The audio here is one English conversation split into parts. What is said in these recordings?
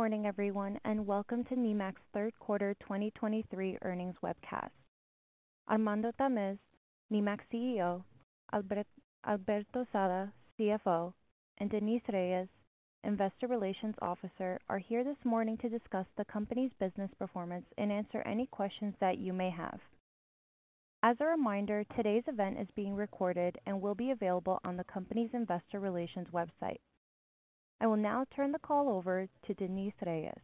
Good morning, everyone, and welcome to Nemak's Third Quarter 2023 Earnings Webcast. Armando Tamez, Nemak's CEO, Alberto Sada, CFO, and Denise Reyes, Investor Relations Officer, are here this morning to discuss the company's business performance and answer any questions that you may have. As a reminder, today's event is being recorded and will be available on the company's investor relations website. I will now turn the call over to Denise Reyes.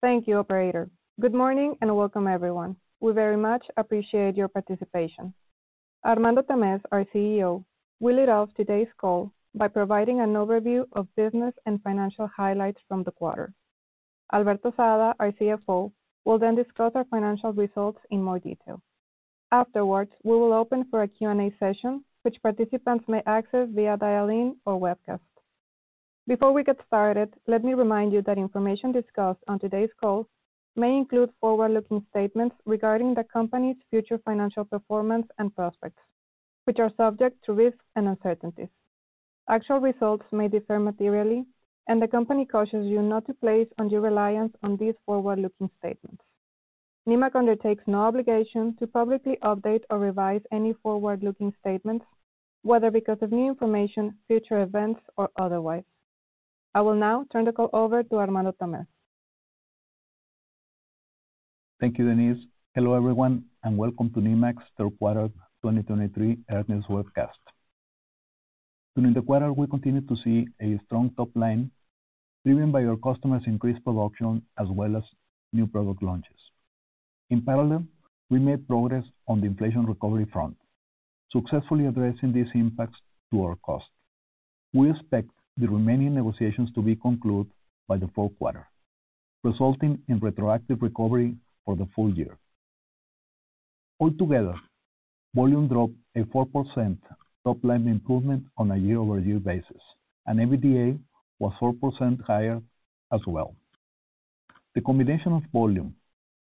Thank you, Operator. Good morning, and welcome, everyone. We very much appreciate your participation. Armando Tamez, our CEO, will lead off today's call by providing an overview of business and financial highlights from the quarter. Alberto Sada, our CFO, will then discuss our financial results in more detail. Afterwards, we will open for a Q&A session, which participants may access via dial-in or webcast. Before we get started, let me remind you that information discussed on today's call may include forward-looking statements regarding the company's future financial performance and prospects, which are subject to risks and uncertainties. Actual results may differ materially, and the company cautions you not to place undue reliance on these forward-looking statements. Nemak undertakes no obligation to publicly update or revise any forward-looking statements, whether because of new information, future events, or otherwise. I will now turn the call over to Armando Tamez. Thank you, Denise. Hello, everyone, and welcome to Nemak's third quarter 2023 earnings webcast. During the quarter, we continued to see a strong top line, driven by our customers' increased production as well as new product launches. In parallel, we made progress on the inflation recovery front, successfully addressing these impacts to our cost. We expect the remaining negotiations to be concluded by the fourth quarter, resulting in retroactive recovery for the full year. Altogether, volume dropped a 4% top-line improvement on a year-over-year basis, and EBITDA was 4% higher as well. The combination of volume,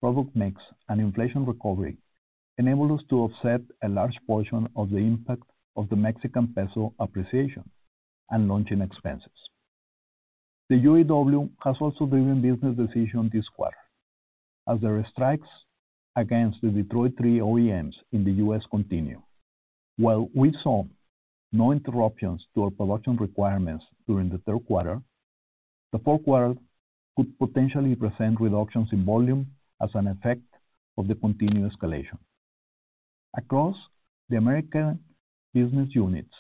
product mix, and inflation recovery enabled us to offset a large portion of the impact of the Mexican peso appreciation and launching expenses. The UAW has also driven business decisions this quarter, as their strikes against the Detroit Three OEMs in the U.S. continue. While we saw no interruptions to our production requirements during the third quarter, the fourth quarter could potentially present reductions in volume as an effect of the continued escalation. Across the American business units,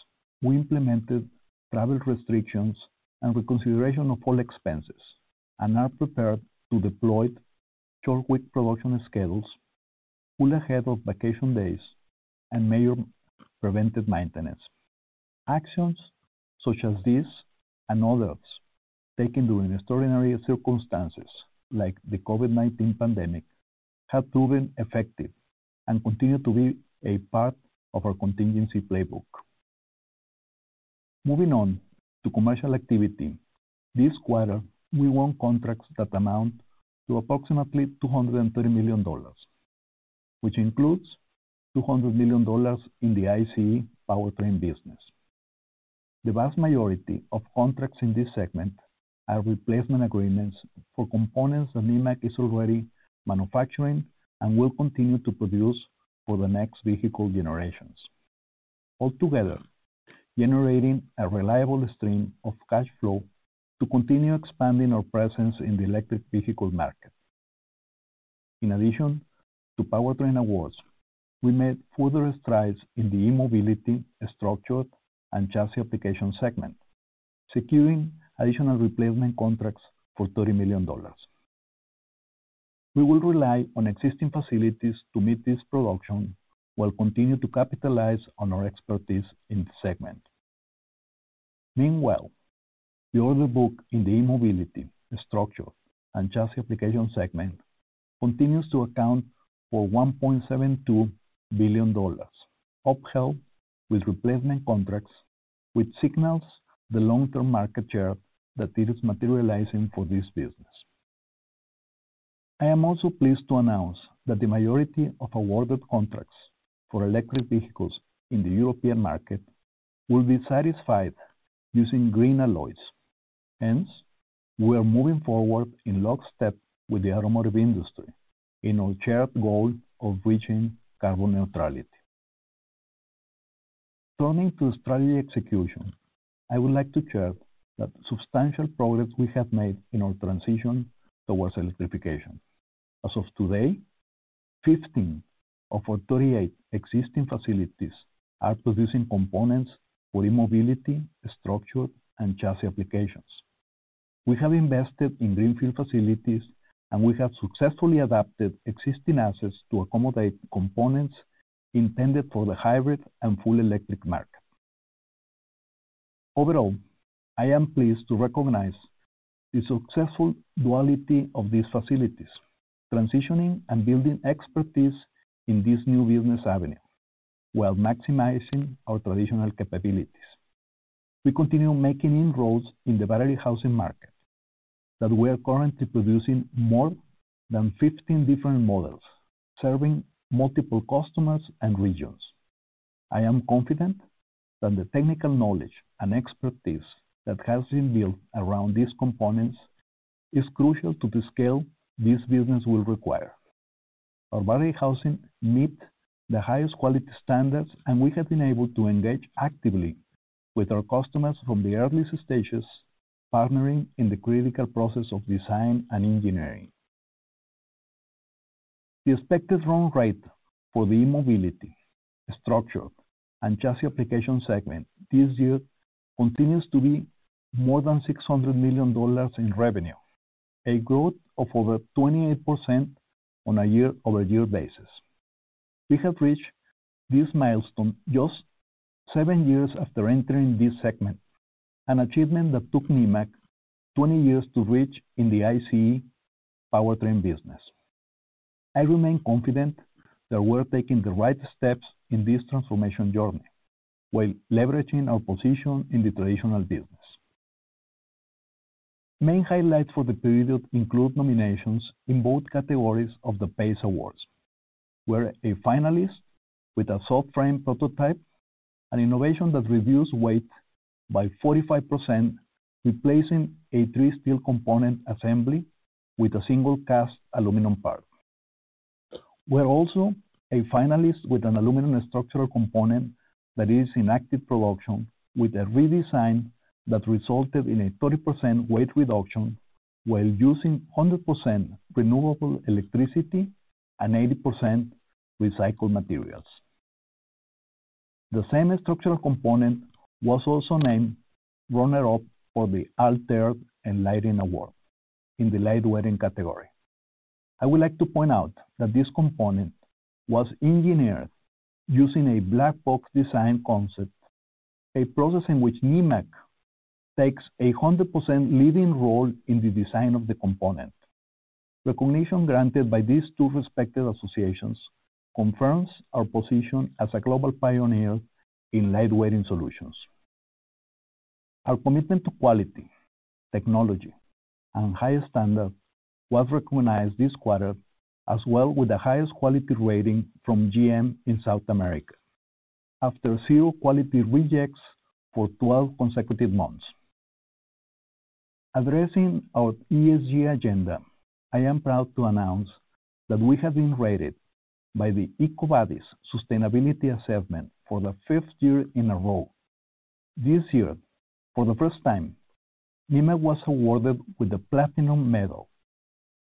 we implemented travel restrictions and reconsideration of all expenses, and are prepared to deploy short-week production schedules, pull ahead of vacation days, and major preventive maintenance. Actions such as this and others taken during extraordinary circumstances, like the COVID-19 pandemic, have proven effective and continue to be a part of our contingency playbook. Moving on to commercial activity. This quarter, we won contracts that amount to approximately $230 million, which includes $200 million in the ICE powertrain business. The vast majority of contracts in this segment are replacement agreements for components that Nemak is already manufacturing and will continue to produce for the next vehicle generations. Altogether, generating a reliable stream of cash flow to continue expanding our presence in the electric vehicle market. In addition to powertrain awards, we made further strides in the E-mobility, Structural, and Chassis application segment, securing additional replacement contracts for $30 million. We will rely on existing facilities to meet this production, while continuing to capitalize on our expertise in the segment. Meanwhile, the order book in the E-mobility, Structural, and Chassis application segment continues to account for $1.72 billion, upheld with replacement contracts, which signals the long-term market share that it is materializing for this business. I am also pleased to announce that the majority of awarded contracts for electric vehicles in the European market will be satisfied using green alloys. Hence, we are moving forward in lockstep with the automotive industry in our shared goal of reaching carbon neutrality. Turning to strategy execution, I would like to share that substantial progress we have made in our transition towards electrification. As of today, 15 of our 38 existing facilities are producing components for E-mobility, Structural, and Chassis applications. We have invested in greenfield facilities, and we have successfully adapted existing assets to accommodate components intended for the hybrid and full electric market. Overall, I am pleased to recognize the successful duality of these facilities, transitioning and building expertise in this new business avenue while maximizing our traditional capabilities. We continue making inroads in the battery housing market that we are currently producing more than 15 different models, serving multiple customers and regions. I am confident that the technical knowledge and expertise that has been built around these components is crucial to the scale this business will require. Our battery housings meet the highest quality standards, and we have been able to engage actively with our customers from the earliest stages, partnering in the critical process of design and engineering. The expected run rate for the E-mobility, Structural, and Chassis application segment this year continues to be more than $600 million in revenue, a growth of over 28% on a year-over-year basis. We have reached this milestone just seven years after entering this segment, an achievement that took Nemak 20 years to reach in the ICE Powertrain business. I remain confident that we're taking the right steps in this transformation journey, while leveraging our position in the traditional business. Main highlights for the period include nominations in both categories of the PACE Awards. We're a finalist with a subframe prototype, an innovation that reduces weight by 45%, replacing a three steel component assembly with a single cast aluminum part. We're also a finalist with an aluminum structural component that is in active production, with a redesign that resulted in a 30% weight reduction, while using 100% renewable electricity and 80% recycled materials. The same structural component was also named runner-up for the Altair Enlighten Award in the Lightweighting category. I would like to point out that this component was engineered using a black box design concept, a process in which Nemak takes a 100% leading role in the design of the component. Recognition granted by these two respected associations confirms our position as a global pioneer in lightweighting solutions. Our commitment to quality, technology, and high standards was recognized this quarter as well, with the highest quality rating from GM in South America, after zero quality rejects for 12 consecutive months. Addressing our ESG agenda, I am proud to announce that we have been rated by the EcoVadis Sustainability Assessment for the fifth year in a row. This year, for the first time, Nemak was awarded with the Platinum Medal,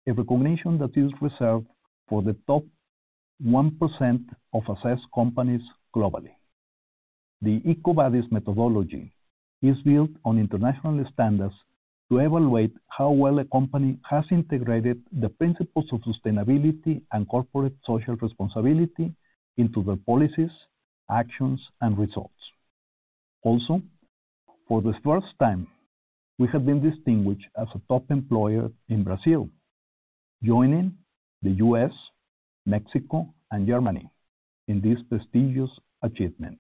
a recognition that is reserved for the top 1% of assessed companies globally. The EcoVadis methodology is built on international standards to evaluate how well a company has integrated the principles of sustainability and corporate social responsibility into their policies, actions, and results. Also, for the first time, we have been distinguished as a top employer in Brazil, joining the U.S., Mexico, and Germany in this prestigious achievement.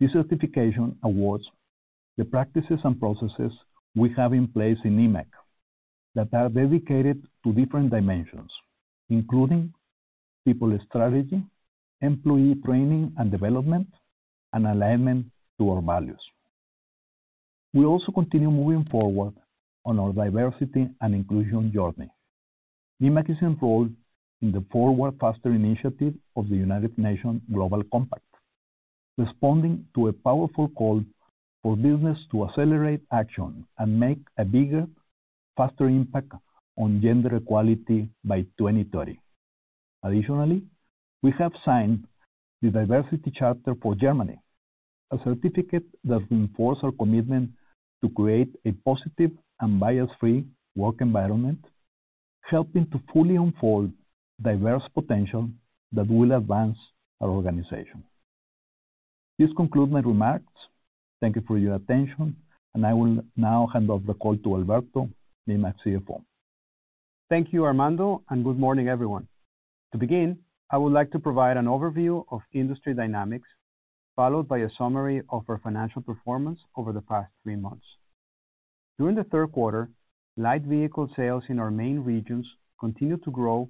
This certification awards the practices and processes we have in place in Nemak that are dedicated to different dimensions, including people strategy, employee training and development, and alignment to our values. We also continue moving forward on our diversity and inclusion journey. Nemak is enrolled in the Forward Faster initiative of the United Nations Global Compact, responding to a powerful call for business to accelerate action and make a bigger, faster impact on gender equality by 2030. Additionally, we have signed the Diversity Charter for Germany, a certificate that reinforces our commitment to create a positive and bias-free work environment, helping to fully unfold diverse potential that will advance our organization. This concludes my remarks. Thank you for your attention, and I will now hand off the call to Alberto, Nemak CFO. Thank you, Armando, and good morning, everyone. To begin, I would like to provide an overview of industry dynamics, followed by a summary of our financial performance over the past three months. During the third quarter, light vehicle sales in our main regions continued to grow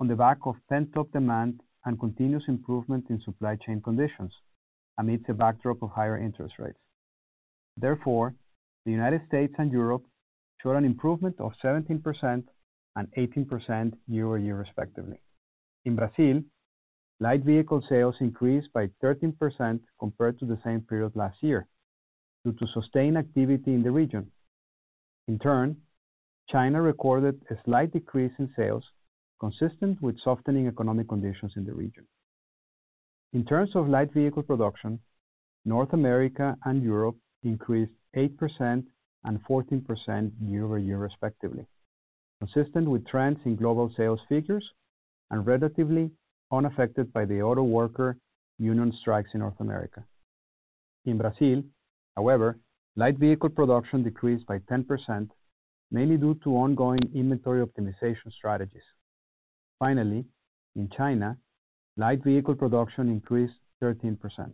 on the back of pent-up demand and continuous improvement in supply chain conditions, amidst a backdrop of higher interest rates. Therefore, the United States and Europe showed an improvement of 17% and 18% year-over-year, respectively. In Brazil, light vehicle sales increased by 13% compared to the same period last year due to sustained activity in the region. In turn, China recorded a slight decrease in sales, consistent with softening economic conditions in the region. In terms of light vehicle production, North America and Europe increased 8% and 14% year-over-year, respectively, consistent with trends in global sales figures and relatively unaffected by the auto worker union strikes in North America. In Brazil, however, light vehicle production decreased by 10%, mainly due to ongoing inventory optimization strategies. Finally, in China, light vehicle production increased 13%. ...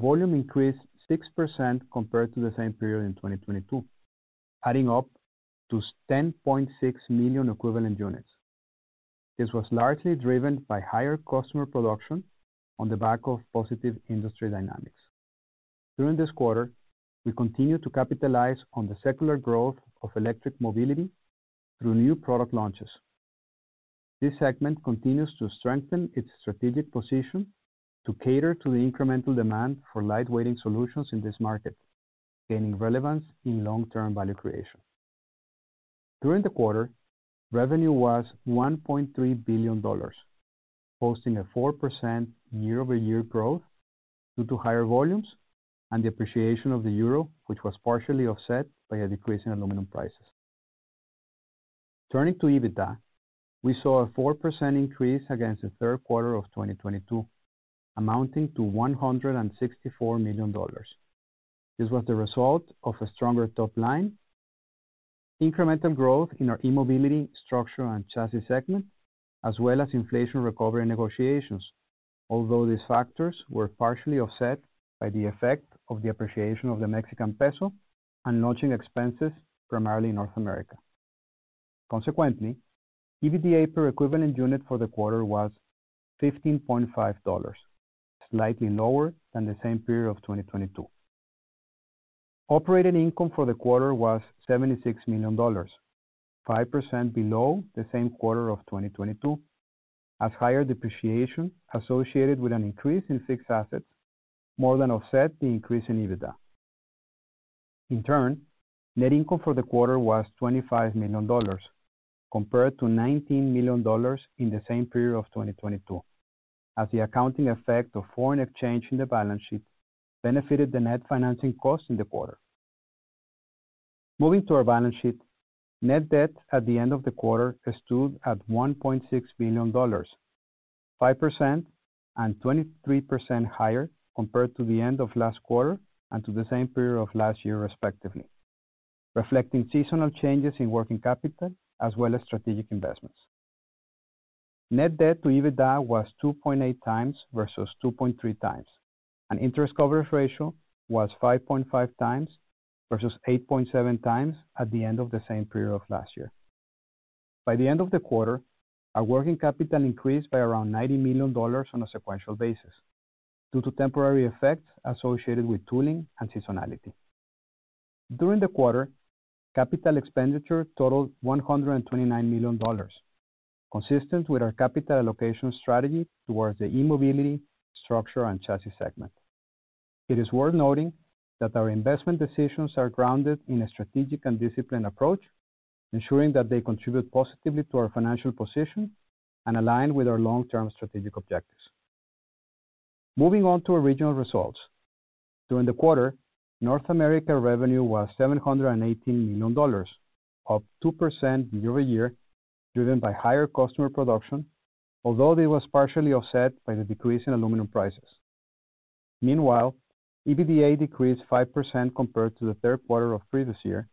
Moving to our financial results. Volume increased 6% compared to the same period in 2022, adding up to 10.6 million equivalent units. This was largely driven by higher customer production on the back of positive industry dynamics. During this quarter, we continued to capitalize on the secular growth of electric mobility through new product launches. This segment continues to strengthen its strategic position to cater to the incremental demand for light-weighting solutions in this market, gaining relevance in long-term value creation. During the quarter, revenue was $1.3 billion, posting a 4% year-over-year growth due to higher volumes and the appreciation of the euro, which was partially offset by a decrease in aluminum prices. Turning to EBITDA, we saw a 4% increase against the third quarter of 2022, amounting to $164 million. This was the result of a stronger top line, incremental growth in our E-mobility, Structural, and Chassis segment, as well as inflation recovery negotiations. Although these factors were partially offset by the effect of the appreciation of the Mexican peso and launching expenses, primarily in North America. Consequently, EBITDA per equivalent unit for the quarter was $15.5, slightly lower than the same period of 2022. Operating income for the quarter was $76 million, 5% below the same quarter of 2022, as higher depreciation associated with an increase in fixed assets more than offset the increase in EBITDA. In turn, net income for the quarter was $25 million, compared to $19 million in the same period of 2022, as the accounting effect of foreign exchange in the balance sheet benefited the net financing cost in the quarter. Moving to our balance sheet, net debt at the end of the quarter stood at $1.6 billion, 5% and 23% higher compared to the end of last quarter and to the same period of last year, respectively, reflecting seasonal changes in working capital as well as strategic investments. Net debt to EBITDA was 2.8x versus 2.3x, and interest coverage ratio was 5.5x versus 8.7x at the end of the same period of last year. By the end of the quarter, our working capital increased by around $90 million on a sequential basis due to temporary effects associated with tooling and seasonality. During the quarter, capital expenditure totaled $129 million, consistent with our capital allocation strategy towards the E-mobility, Structural, and Chassis segment. It is worth noting that our investment decisions are grounded in a strategic and disciplined approach, ensuring that they contribute positively to our financial position and align with our long-term strategic objectives. Moving on to our regional results. During the quarter, North America revenue was $718 million, up 2% year-over-year, driven by higher customer production, although it was partially offset by the decrease in aluminum prices. Meanwhile, EBITDA decreased 5% compared to the third quarter of previous year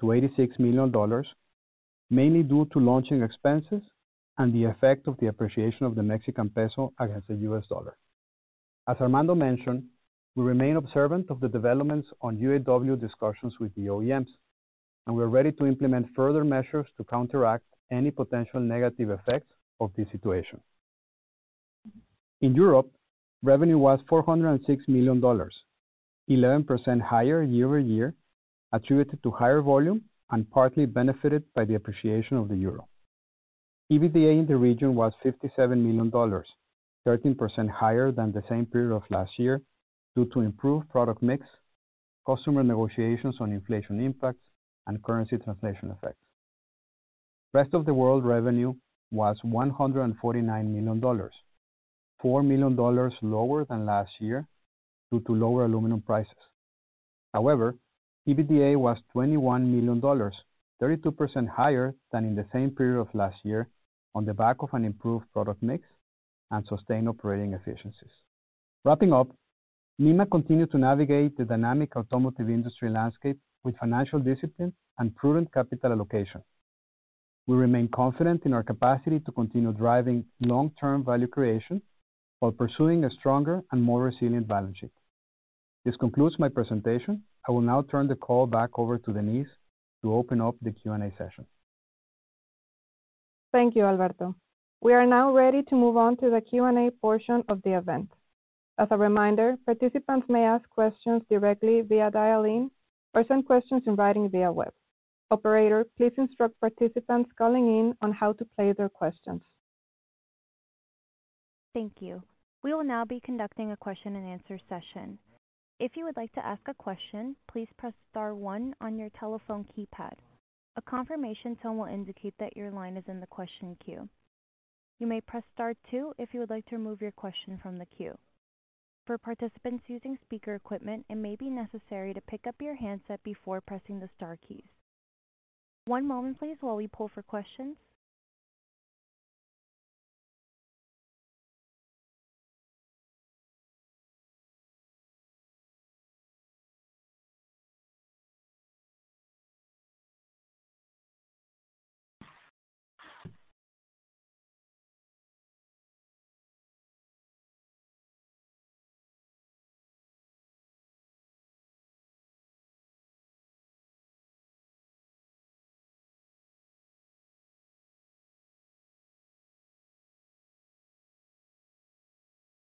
to $86 million, mainly due to launching expenses and the effect of the appreciation of the Mexican peso against the U.S. dollar. As Armando mentioned, we remain observant of the developments on UAW discussions with the OEMs, and we are ready to implement further measures to counteract any potential negative effects of this situation. In Europe, revenue was $406 million, 11% higher year-over-year, attributed to higher volume and partly benefited by the appreciation of the euro. EBITDA in the region was $57 million, 13% higher than the same period of last year, due to improved product mix, customer negotiations on inflation impacts, and currency translation effects. Rest of the world revenue was $149 million, $4 million lower than last year due to lower aluminum prices. However, EBITDA was $21 million, 32% higher than in the same period of last year, on the back of an improved product mix and sustained operating efficiencies. Wrapping up, Nemak continued to navigate the dynamic automotive industry landscape with financial discipline and prudent capital allocation. We remain confident in our capacity to continue driving long-term value creation while pursuing a stronger and more resilient balance sheet. This concludes my presentation. I will now turn the call back over to Denise to open up the Q&A session. Thank you, Alberto. We are now ready to move on to the Q&A portion of the event. As a reminder, participants may ask questions directly via dial-in or send questions in writing via web. Operator, please instruct participants calling in on how to play their questions. Thank you. We will now be conducting a question-and-answer session. If you would like to ask a question, please press star one on your telephone keypad. A confirmation tone will indicate that your line is in the question queue. You may press star two if you would like to remove your question from the queue. For participants using speaker equipment, it may be necessary to pick up your handset before pressing the star keys. One moment, please, while we pull for questions...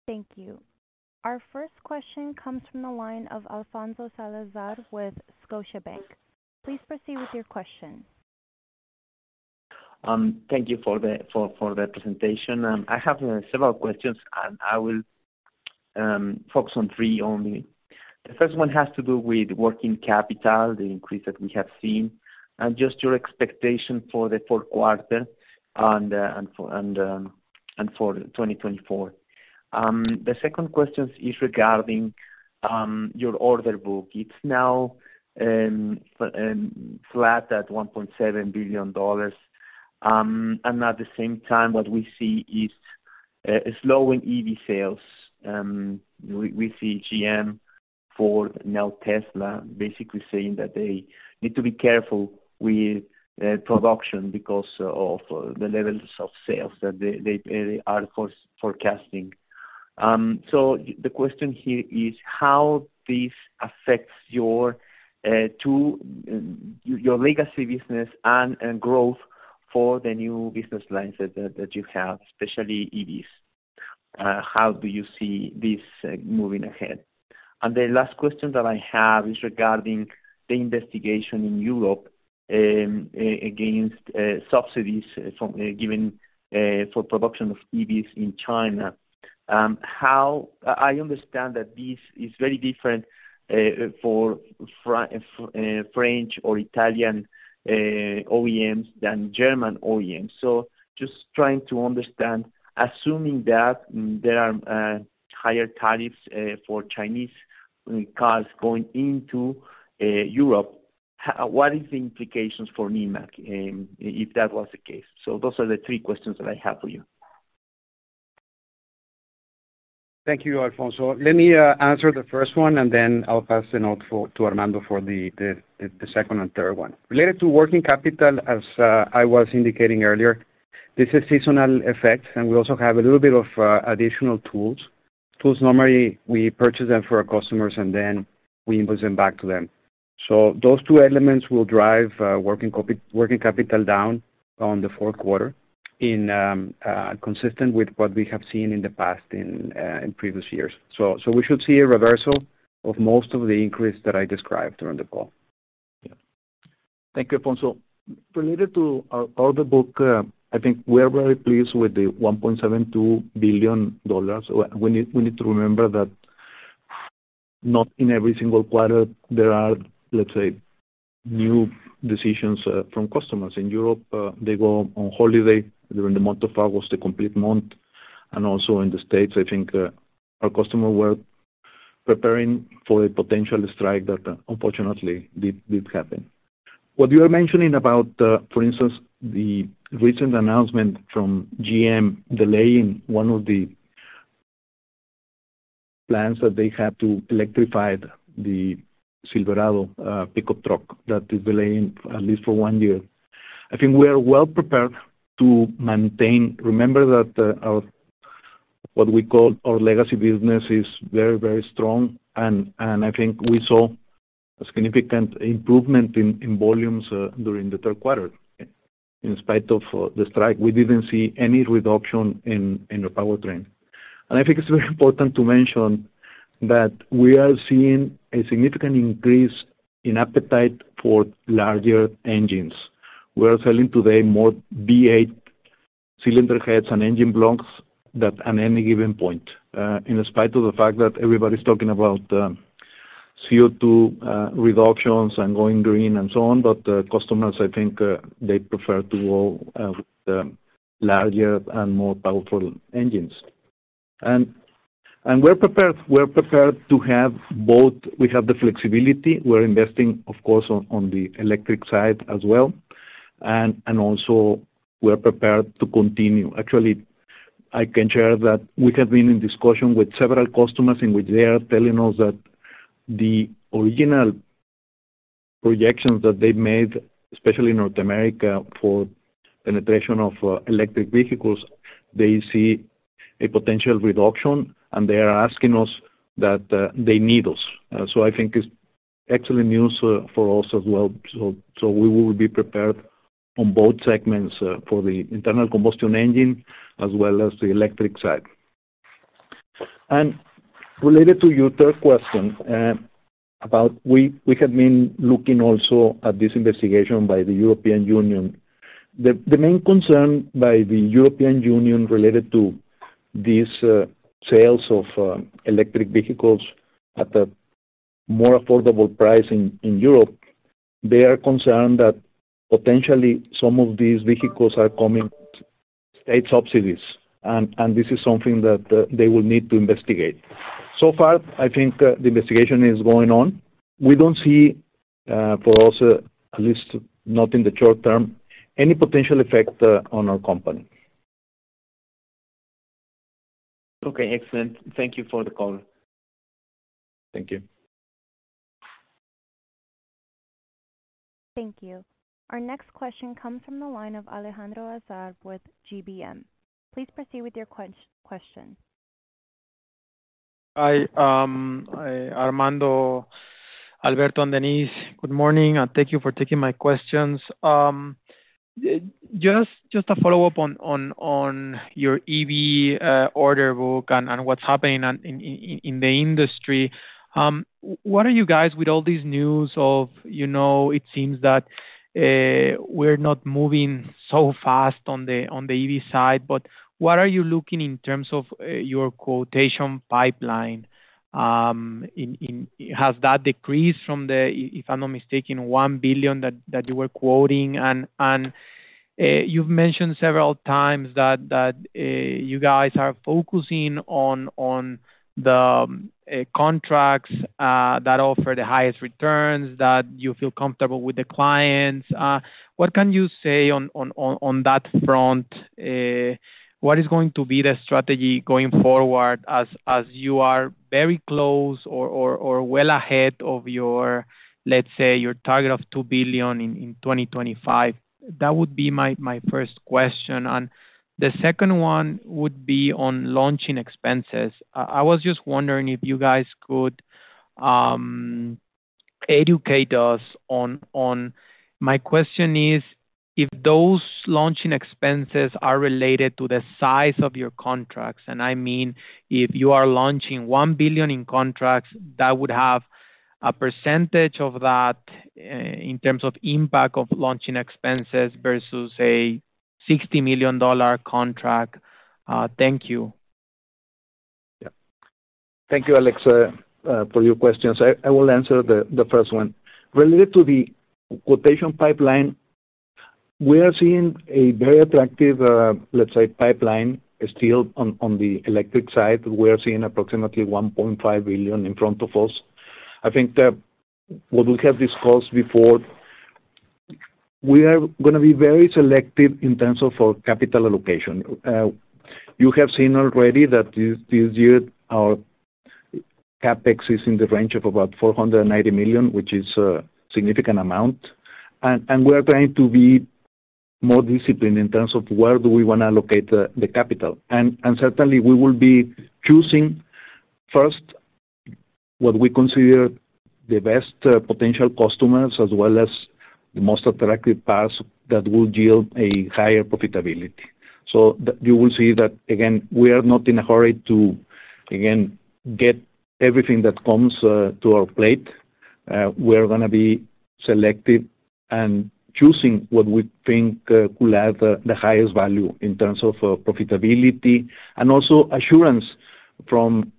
Thank you. Our first question comes from the line of Alfonso Salazar with Scotiabank. Please proceed with your question. Thank you for the presentation. I have several questions, and I will focus on three only. The first one has to do with working capital, the increase that we have seen, and just your expectation for the fourth quarter and for 2024. The second question is regarding your order book. It's now flat at $1.7 billion. And at the same time, what we see is a slowing EV sales. We see GM, Ford, now Tesla, basically saying that they need to be careful with production because of the levels of sales that they are forecasting. So the question here is how this affects your to your legacy business and growth for the new business lines that you have, especially EVs. How do you see this moving ahead? And the last question that I have is regarding the investigation in Europe against subsidies given for production of EVs in China. I understand that this is very different for French or Italian OEMs than German OEMs. So just trying to understand, assuming that there are higher tariffs for Chinese cars going into Europe, what is the implications for Nemak if that was the case? So those are the three questions that I have for you. Thank you, Alfonso. Let me answer the first one, and then I'll pass the note to Armando for the second and third one. Related to working capital, as I was indicating earlier, this is seasonal effects, and we also have a little bit of additional tools. Tools, normally, we purchase them for our customers, and then we invoice them back to them. So those two elements will drive working capital down on the fourth quarter consistent with what we have seen in the past in previous years. So we should see a reversal of most of the increase that I described during the call. Thank you, Alfonso. Related to our order book, I think we are very pleased with the $1.72 billion. We need, we need to remember that not in every single quarter there are, let's say, new decisions, from customers. In Europe, they go on holiday during the month of August, the complete month, and also in the States, I think, our customer were preparing for a potential strike that unfortunately did, did happen. What you are mentioning about, for instance, the recent announcement from GM delaying one of the plans that they have to electrify the Silverado, pickup truck, that is delaying at least for one year. I think we are well prepared to maintain. Remember that our what we call our legacy business is very, very strong, and I think we saw a significant improvement in volumes during the third quarter. In spite of the strike, we didn't see any reduction in the powertrain. And I think it's very important to mention that we are seeing a significant increase in appetite for larger engines. We are selling today more V8 cylinder heads and engine blocks than at any given point in spite of the fact that everybody's talking about CO2 reductions and going green and so on, but customers, I think, they prefer to go larger and more powerful engines. And we're prepared to have both. We have the flexibility. We're investing, of course, on the electric side as well, and also we are prepared to continue. Actually, I can share that we have been in discussion with several customers in which they are telling us that the original projections that they made, especially in North America, for penetration of electric vehicles, they see a potential reduction, and they are asking us that they need us. So I think it's excellent news for us as well. So we will be prepared on both segments for the internal combustion engine as well as the electric side. And related to your third question, about, we have been looking also at this investigation by the European Union. The main concern by the European Union related to these sales of electric vehicles at a more affordable price in Europe, they are concerned that potentially some of these vehicles are coming with state subsidies, and this is something that they will need to investigate. So far, I think, the investigation is going on. We don't see, for us, at least not in the short term, any potential effect on our company... Okay, excellent. Thank you for the call. Thank you. Thank you. Our next question comes from the line of Alejandro Azar with GBM. Please proceed with your question. Hi, Armando, Alberto, and Denise. Good morning, and thank you for taking my questions. Just a follow-up on your EV order book and what's happening in the industry. What are you guys with all these news of, you know, it seems that we're not moving so fast on the EV side, but what are you looking in terms of your quotation pipeline? And has that decreased from the, if I'm not mistaken, $1 billion that you were quoting? And you've mentioned several times that you guys are focusing on the contracts that offer the highest returns, that you feel comfortable with the clients. What can you say on that front? What is going to be the strategy going forward as you are very close or well ahead of your, let's say, your target of $2 billion in 2025? That would be my first question. And the second one would be on launching expenses. I was just wondering if you guys could educate us on... My question is, if those launching expenses are related to the size of your contracts, and I mean, if you are launching $1 billion in contracts, that would have a percentage of that in terms of impact of launching expenses versus a $60 million contract. Thank you. Yeah. Thank you, Alex, for your questions. I will answer the first one. Related to the quotation pipeline, we are seeing a very attractive, let's say, pipeline still on the electric side. We are seeing approximately $1.5 billion in front of us. I think that what we have discussed before, we are gonna be very selective in terms of our capital allocation. You have seen already that this year, our CapEx is in the range of about $480 million, which is a significant amount. We're trying to be more disciplined in terms of where do we wanna allocate the capital. Certainly we will be choosing first what we consider the best potential customers, as well as the most attractive paths that will yield a higher profitability. So you will see that, again, we are not in a hurry to, again, get everything that comes to our plate. We're gonna be selective and choosing what we think could have the highest value in terms of profitability, and also assurance from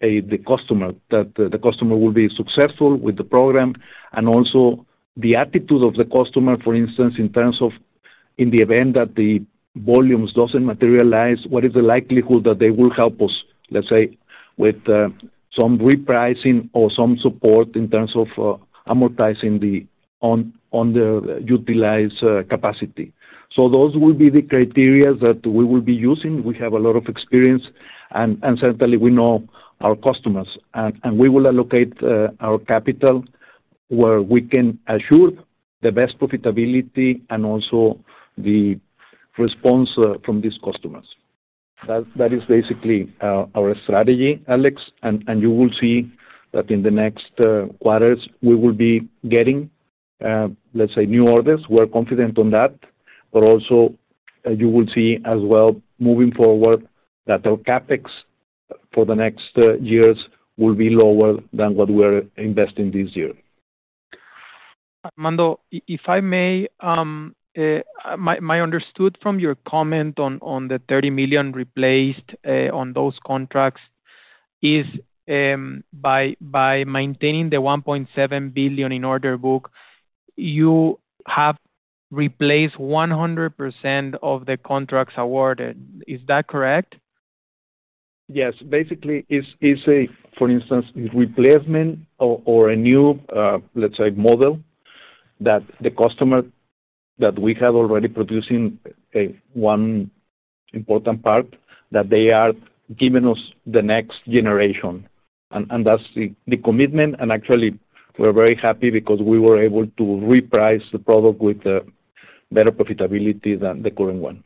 the customer that the customer will be successful with the program. And also the attitude of the customer, for instance, in terms of, in the event that the volumes doesn't materialize, what is the likelihood that they will help us, let's say, with some repricing or some support in terms of amortizing the on the utilized capacity? So those will be the criteria that we will be using. We have a lot of experience, and certainly, we know our customers. We will allocate our capital where we can assure the best profitability and also the response from these customers. That is basically our strategy, Alex, and you will see that in the next quarters, we will be getting, let's say, new orders. We're confident on that, but also you will see as well, moving forward, that our CapEx for the next years will be lower than what we're investing this year. Armando, if I may, I understood from your comment on the $30 million replaced on those contracts is by maintaining the $1.7 billion in order book, you have replaced 100% of the contracts awarded. Is that correct? Yes. Basically, it's a, for instance, a replacement or a new, let's say, model that the customer that we have already producing one important part that they are giving us the next generation, and that's the commitment. And actually, we're very happy because we were able to reprice the product with a better profitability than the current one.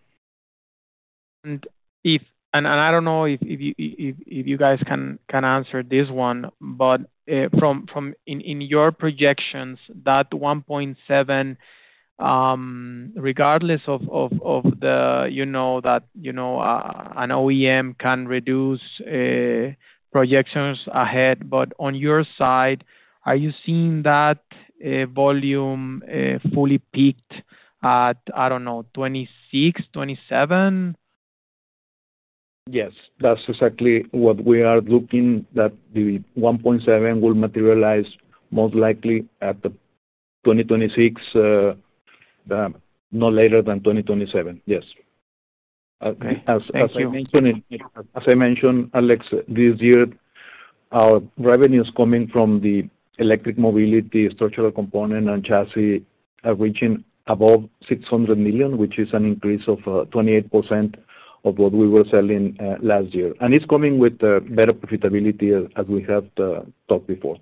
I don't know if you guys can answer this one, but in your projections, that $1.7 billion, regardless of the, you know, that an OEM can reduce projections ahead, but on your side, are you seeing that volume fully peaked at, I don't know, 2026, 2027? Yes. That's exactly what we are looking, that the $1.7 billion will materialize, most likely at the 2026, no later than 2027. Yes. Okay. Thank you. As I mentioned, Alex, this year, our revenues coming from the Electric Mobility, Structural component, and Chassis are reaching above $600 million, which is an increase of 28% of what we were selling last year. It's coming with better profitability as we have talked before.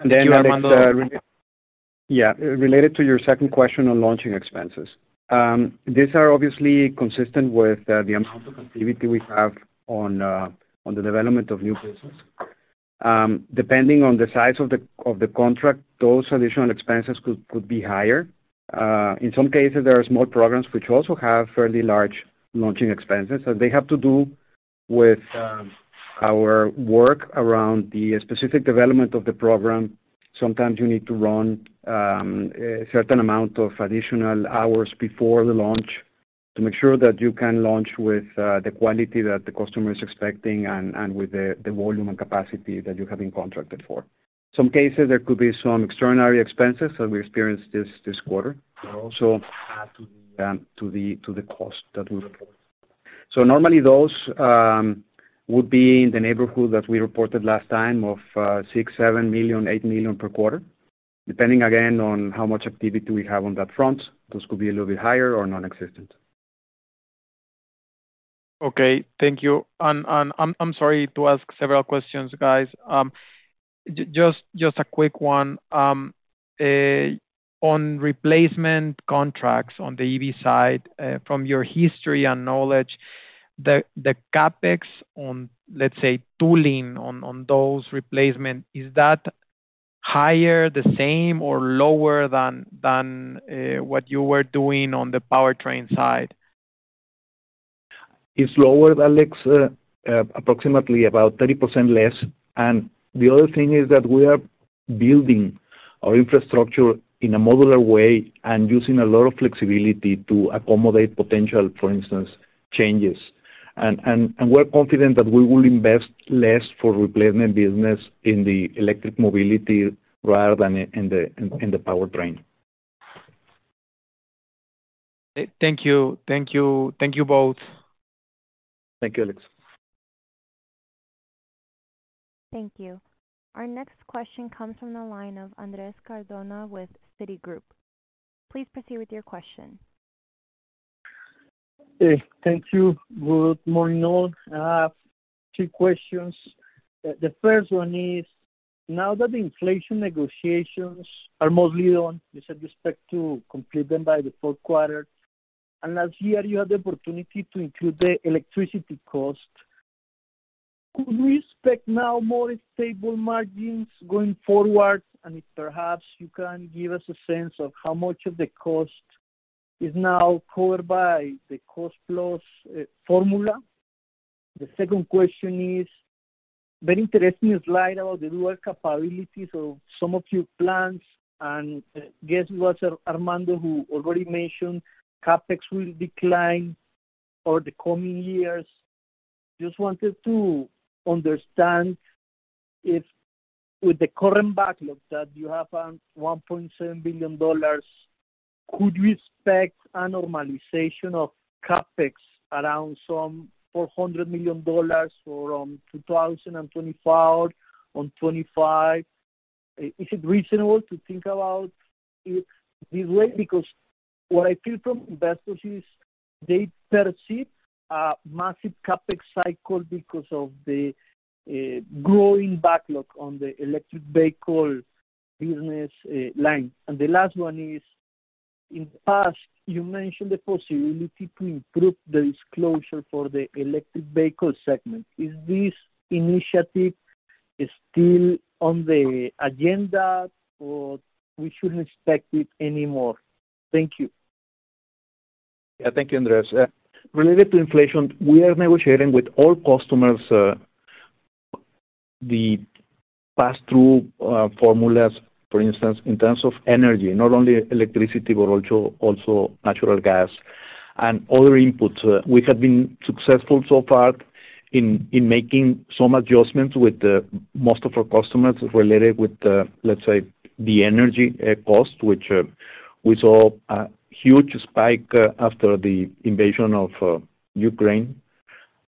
And then- Yeah, related to your second question on launching expenses. These are obviously consistent with the amount of activity we have on the development of new business. Depending on the size of the contract, those additional expenses could be higher. In some cases, there are small programs which also have fairly large launching expenses, and they have to do with our work around the specific development of the program. Sometimes you need to run a certain amount of additional hours before the launch to make sure that you can launch with the quality that the customer is expecting and with the volume and capacity that you have been contracted for. Some cases, there could be some extraordinary expenses that we experienced this quarter, but also add to the cost that we report. So normally, those would be in the neighborhood that we reported last time of $6 million, $7 million, $8 million per quarter, depending again on how much activity we have on that front. Those could be a little bit higher or non-existent. Okay, thank you. And I'm sorry to ask several questions, guys. Just a quick one: on replacement contracts on the EV side, from your history and knowledge, the CapEx on, let's say, tooling on those replacement, is that higher, the same, or lower than what you were doing on the powertrain side? It's lower than, Alex, approximately about 30% less. And the other thing is that we are building our infrastructure in a modular way and using a lot of flexibility to accommodate potential, for instance, changes. And we're confident that we will invest less for replacement business in the electric mobility rather than in the powertrain. Thank you. Thank you. Thank you both. Thank you, Alex. Thank you. Our next question comes from the line of Andres Cardona with Citigroup. Please proceed with your question. Thank you. Good morning, all. Two questions. The first one is, now that the inflation negotiations are mostly on, with respect to complete them by the fourth quarter, and last year you had the opportunity to include the electricity cost, could we expect now more stable margins going forward? And if perhaps you can give us a sense of how much of the cost is now covered by the cost plus formula. The second question is, very interesting slide about the lower capabilities of some of your plants, and I guess it was Armando who already mentioned CapEx will decline over the coming years. Just wanted to understand if with the current backlog that you have, $1.7 billion, could we expect a normalization of CapEx around some $400 million for 2024 and 2025? Is it reasonable to think about it this way? Because what I hear from investors is they perceive a massive CapEx cycle because of the growing backlog on the electric vehicle business line. And the last one is: in the past, you mentioned the possibility to improve the disclosure for the electric vehicle segment. Is this initiative still on the agenda, or we shouldn't expect it anymore? Thank you. Yeah. Thank you, Andres. Related to inflation, we are negotiating with all customers, the pass-through formulas, for instance, in terms of energy, not only electricity, but also, also natural gas and other inputs. We have been successful so far in making some adjustments with most of our customers related with the, let's say, the energy cost, which we saw a huge spike after the invasion of Ukraine.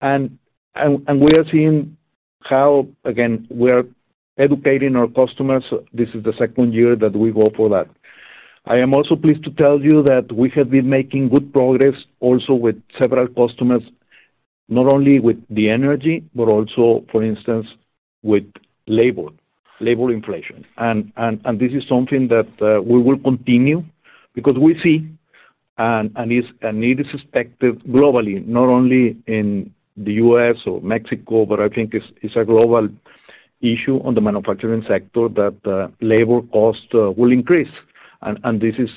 And we are seeing how, again, we are educating our customers. This is the second year that we go for that. I am also pleased to tell you that we have been making good progress also with several customers, not only with the energy, but also, for instance, with labor, labor inflation. This is something that we will continue because we see and is a need is expected globally, not only in the U.S. or Mexico, but I think it's a global issue on the manufacturing sector, that labor cost will increase. This is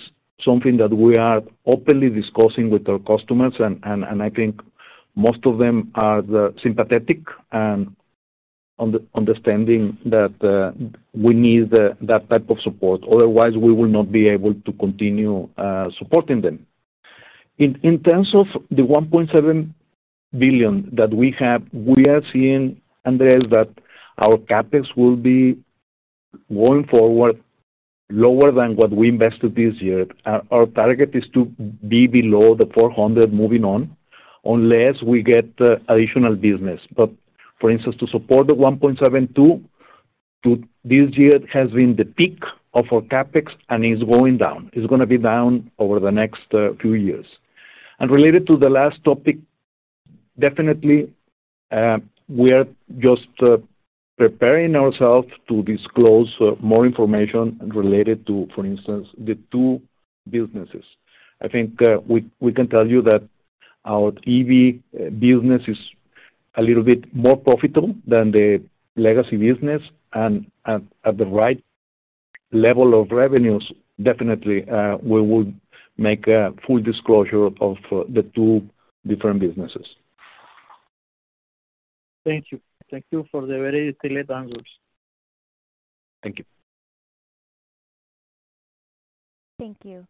something that we are openly discussing with our customers, and I think most of them are sympathetic and understanding that we need that type of support, otherwise, we will not be able to continue supporting them. In terms of the $1.7 billion that we have, we are seeing, Andres, that our CapEx will be going forward lower than what we invested this year. Our target is to be below $400 million moving on, unless we get additional business. But for instance, to support the $1.72 billion to this year has been the peak of our CapEx and is going down. It's gonna be down over the next few years. And related to the last topic, definitely, we are just preparing ourselves to disclose more information related to, for instance, the two businesses. I think, we, we can tell you that our EV business is a little bit more profitable than the legacy business, and, and at the right level of revenues, definitely, we would make a full disclosure of the two different businesses. Thank you. Thank you for the very detailed answers. Thank you. Thank you.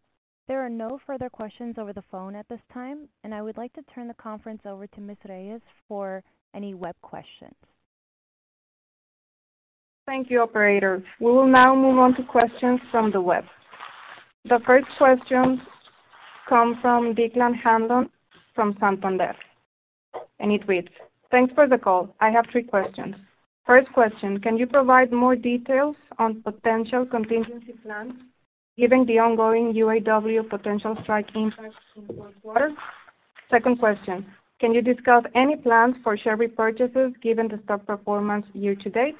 There are no further questions over the phone at this time, and I would like to turn the conference over to Ms. Reyes for any web questions. Thank you, Operator. We will now move on to questions from the web. The first question comes from Declan Hanlon, from Santander, and it reads: Thanks for the call. I have three questions. First question, can you provide more details on potential contingency plans given the ongoing UAW potential strike impact in fourth quarter? Second question, can you discuss any plans for share repurchases given the stock performance year to date?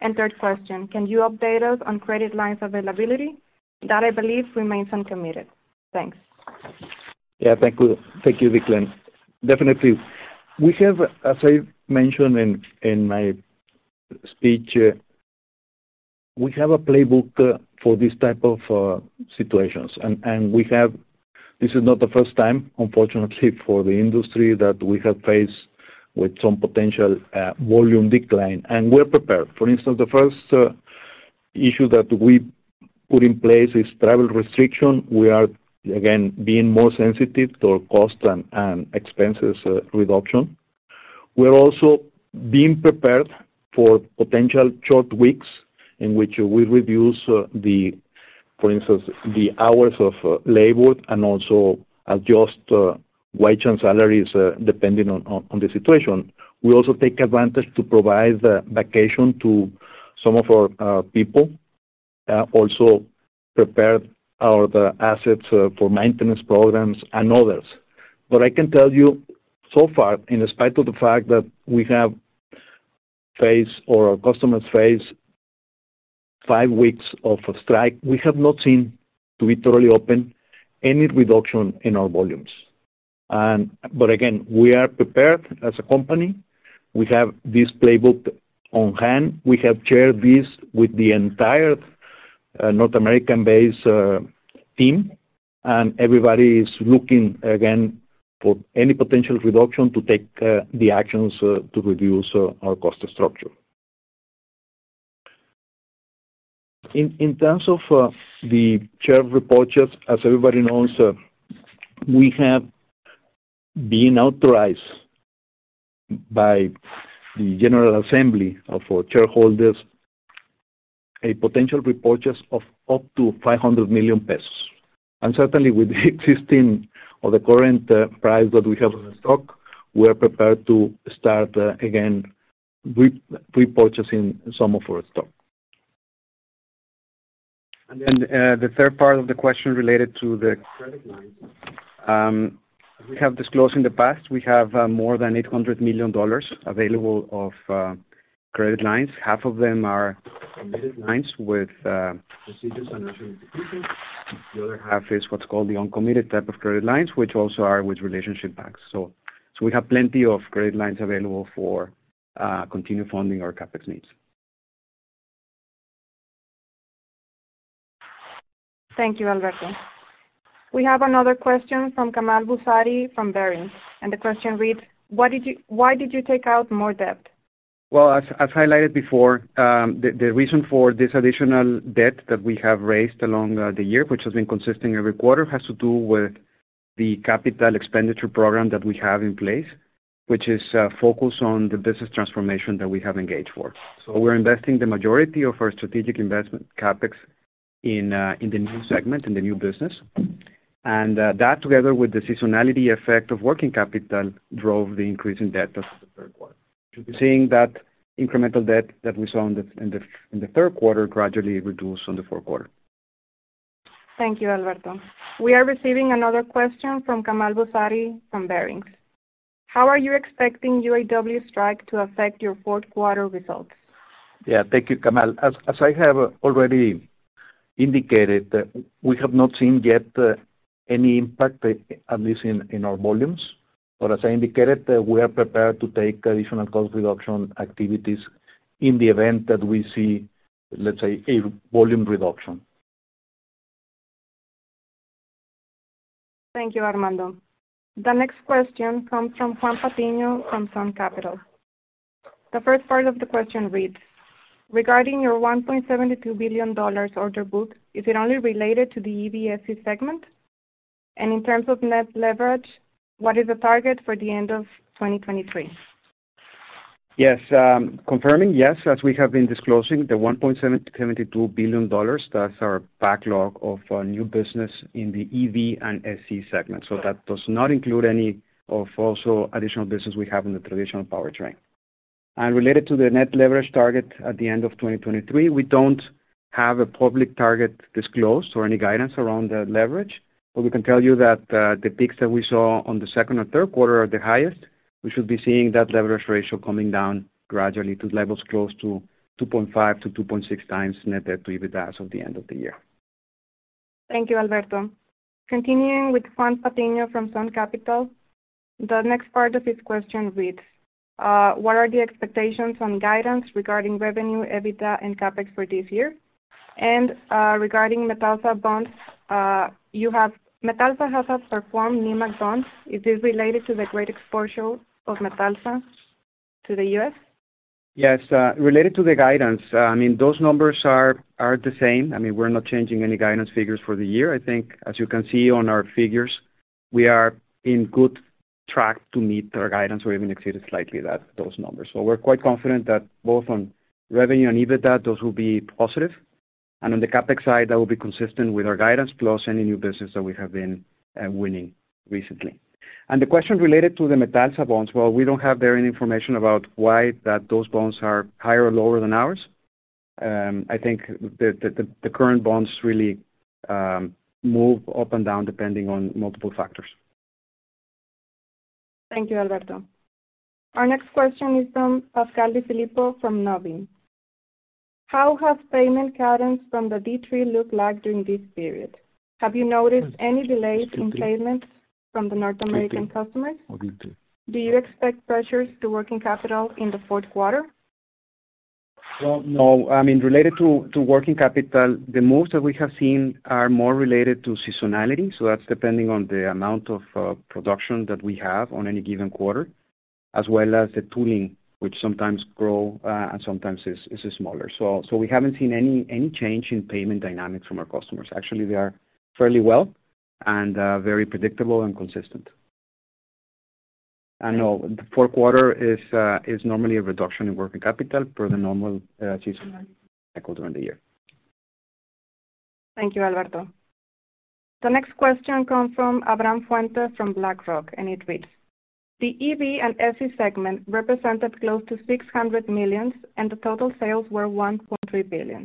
And third question, can you update us on credit lines availability? That, I believe, remains uncommitted. Thanks. Yeah, thank you. Thank you, Declan. Definitely. We have, as I mentioned in my speech, we have a playbook for this type of situations. And we have—this is not the first time, unfortunately for the industry, that we have faced with some potential volume decline, and we're prepared. For instance, the first issue that we put in place is travel restriction. We are, again, being more sensitive to cost and expenses reduction. We're also being prepared for potential short weeks in which we reduce, for instance, the hours of labor and also adjust wages and salaries depending on the situation. We also take advantage to provide vacation to some of our people, also prepare our, the assets for maintenance programs and others. I can tell you, so far, in spite of the fact that we have faced, or our customers faced 5 weeks of strike, we have not seen, to be totally open, any reduction in our volumes. But again, we are prepared as a company. We have this playbook on hand. We have shared this with the entire, North American-based, team, and everybody is looking again for any potential reduction to take, the actions, to reduce, our cost structure. In, in terms of, the share repurchases, as everybody knows, we have been authorized by the General Assembly of our shareholders, a potential repurchase of up to 500 million pesos. And certainly with the existing or the current, price that we have on the stock, we are prepared to start, again, repurchasing some of our stock. Then, the third part of the question related to the credit lines. As we have disclosed in the past, we have more than $800 million available of credit lines. Half of them are committed lines with procedures and restrictions. The other half is what's called the uncommitted type of credit lines, which also are with relationship banks. So, we have plenty of credit lines available for continued funding our CapEx needs. Thank you, Alberto. We have another question from Kamaal Busari from Barings, and the question reads: What did you-- Why did you take out more debt? Well, as highlighted before, the reason for this additional debt that we have raised along the year, which has been consistent every quarter, has to do with the capital expenditure program that we have in place, which is focused on the business transformation that we have engaged for. So we're investing the majority of our strategic investment, CapEx, in the new segment, in the new business. And that together with the seasonality effect of working capital, drove the increase in debt that's in the third quarter. We're seeing that incremental debt that we saw in the third quarter gradually reduce on the fourth quarter. Thank you, Alberto. We are receiving another question from Kaamal Busari from Barings. How are you expecting UAW strike to affect your fourth quarter results? Yeah, thank you, Kaamal. As, as I have already indicated, we have not seen yet any impact, at least in, in our volumes. But as I indicated, we are prepared to take additional cost reduction activities in the event that we see, let's say, a volume reduction. Thank you, Armando. The next question comes from Juan Patiño, from Sun Capital. The first part of the question reads: Regarding your $1.72 billion order book, is it only related to the EVSC segment?... And in terms of net leverage, what is the target for the end of 2023? Yes, confirming, yes, as we have been disclosing, the $1.72 billion, that's our backlog of new business in the EV and SC segment. So that does not include any of also additional business we have in the traditional powertrain. Related to the net leverage target at the end of 2023, we don't have a public target disclosed or any guidance around the leverage, but we can tell you that the peaks that we saw on the second or third quarter are the highest. We should be seeing that leverage ratio coming down gradually to levels close to 2.5x-2.6x net debt to EBITDA as of the end of the year. Thank you, Alberto. Continuing with Juan Patiño from Sun Capital, the next part of this question reads: "What are the expectations on guidance regarding revenue, EBITDA, and CapEx for this year? And, regarding Metalsa bonds, you have—Metalsa has outperformed Nemak bonds. It is related to the great exposure of Metalsa to the U.S.? Yes, related to the guidance, I mean, those numbers are the same. I mean, we're not changing any guidance figures for the year. I think, as you can see on our figures, we are on good track to meet our guidance. We even exceeded slightly those numbers. So we're quite confident that both on revenue and EBITDA, those will be positive. And on the CapEx side, that will be consistent with our guidance, plus any new business that we have been winning recently. And the question related to the Metalsa bonds, well, we don't have much information about why those bonds are higher or lower than ours. I think the current bonds really move up and down, depending on multiple factors. Thank you, Alberto. Our next question is from Pasquale [DiFilipo] from Nuveen: How have payment patterns from the Big 3 looked like during this period? Have you noticed any delays in payments from the North American customers? Do you expect pressures to working capital in the fourth quarter? Well, no. I mean, related to, to working capital, the most that we have seen are more related to seasonality, so that's depending on the amount of production that we have on any given quarter, as well as the tooling, which sometimes grow, and sometimes is, is smaller. So we haven't seen any change in payment dynamics from our customers. Actually, they are fairly well, and very predictable and consistent. I know the fourth quarter is normally a reduction in working capital per the normal season cycle during the year. Thank you, Alberto. The next question comes from Abraham Fuentes from BlackRock, and it reads: The EV and SC segment represented close to $600 million, and the total sales were $1.3 billion.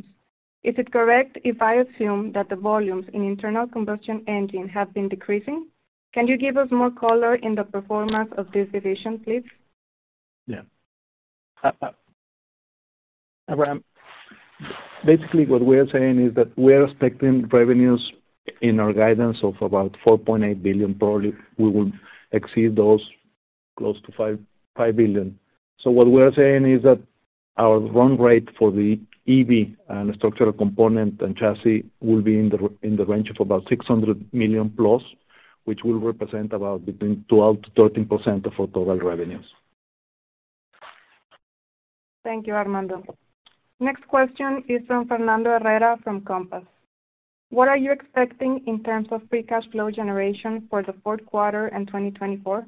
Is it correct if I assume that the volumes in internal combustion engine have been decreasing? Can you give us more color in the performance of this division, please? Yeah. Abraham, basically what we are saying is that we are expecting revenues in our guidance of about $4.8 billion, probably we will exceed those close to $5 billion. So what we're saying is that our run rate for the EV and Structural Component and Chassis will be in the range of about $600 million plus, which will represent about between 12%-13% of our total revenues. Thank you, Armando. Next question is from Fernando Herrera from Compass: What are you expecting in terms of free cash flow generation for the fourth quarter and 2024?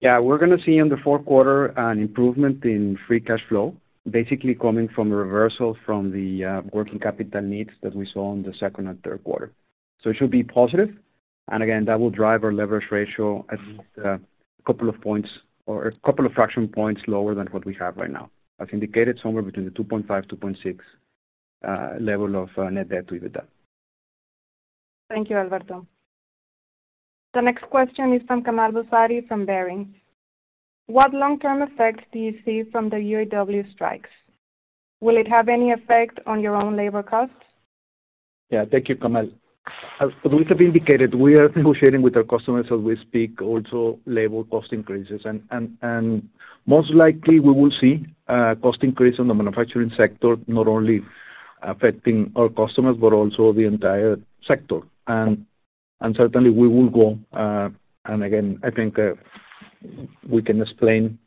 Yeah, we're gonna see in the fourth quarter an improvement in free cash flow, basically coming from a reversal from the, working capital needs that we saw in the second and third quarter. So it should be positive. And again, that will drive our leverage ratio at least, a couple of points or a couple of fraction points lower than what we have right now. As indicated, somewhere between the 2.5x-2.6x level of net debt to EBITDA. Thank you, Alberto. The next question is from Kamaal Busari from Barings: What long-term effects do you see from the UAW strikes? Will it have any effect on your own labor costs? Yeah. Thank you, Kaamal. As we have indicated, we are negotiating with our customers as we speak, also labor cost increases, and most likely we will see cost increase on the manufacturing sector, not only affecting our customers, but also the entire sector. And certainly we will go, and again, I think we can explain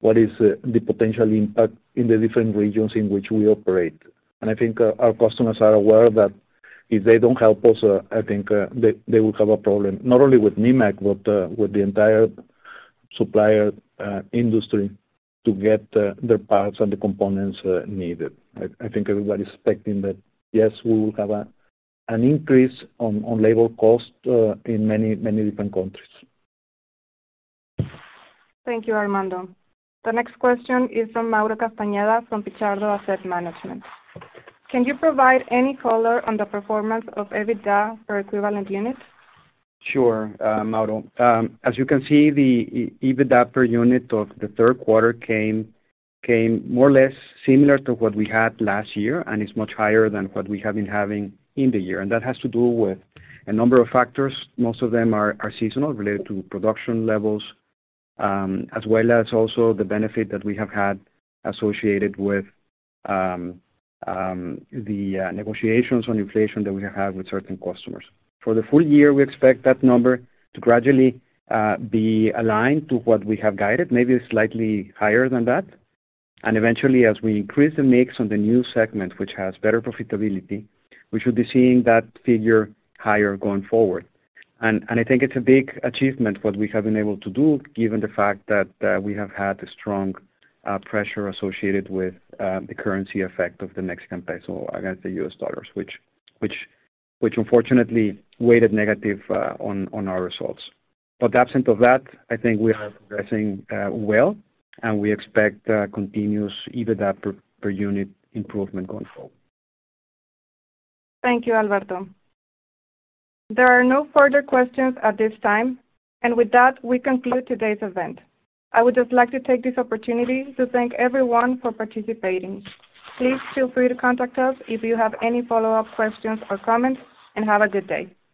what is the potential impact in the different regions in which we operate. And I think our customers are aware that if they don't help us, I think they will have a problem, not only with Nemak, but with the entire supplier industry to get the parts and the components needed. I think everybody's expecting that, yes, we will have an increase on labor cost in many different countries. Thank you, Armando. The next question is from Mauro Castañeda, from Pichardo Asset Management: Can you provide any color on the performance of EBITDA for equivalent units? Sure, Mauro. As you can see, the EBITDA per unit of the third quarter came more or less similar to what we had last year, and it's much higher than what we have been having in the year, and that has to do with a number of factors. Most of them are seasonal, related to production levels, as well as also the benefit that we have had associated with the negotiations on inflation that we have had with certain customers. For the full year, we expect that number to gradually be aligned to what we have guided, maybe slightly higher than that. And eventually, as we increase the mix on the new segment, which has better profitability, we should be seeing that figure higher going forward. I think it's a big achievement, what we have been able to do, given the fact that we have had a strong pressure associated with the currency effect of the Mexican peso against the U.S. dollars, which unfortunately weighed negative on our results. But absent of that, I think we are progressing well, and we expect a continuous EBITDA per unit improvement going forward. Thank you, Alberto. There are no further questions at this time. With that, we conclude today's event. I would just like to take this opportunity to thank everyone for participating. Please feel free to contact us if you have any follow-up questions or comments, and have a good day.